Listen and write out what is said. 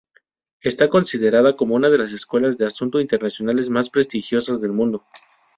Está considerada como una de las escuelas de asuntos internacionales más prestigiosas del mundo.